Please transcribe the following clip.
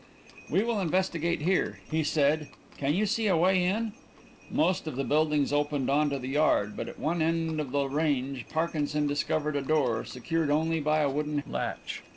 "We will investigate here," he said. "Can you see a way in?" Most of the buildings opened on to the yard, but at one end of the range Parkinson discovered a door, secured only by a wooden latch.